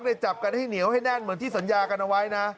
จับกันให้เหนียวให้แน่นเหมือนที่สัญญากันเอาไว้นะ